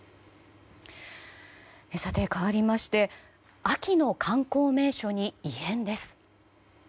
かわりまして秋の観光名所に異変です。